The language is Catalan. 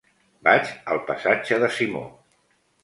Vaig al passatge de Simó.